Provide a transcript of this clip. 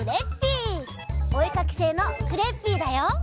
おえかきせいのクレッピーだよ！